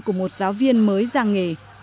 của một giáo viên mới ra nghề